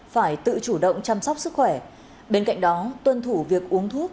phải tự chủ động chăm sóc sức khỏe bên cạnh đó tuân thủ việc uống thuốc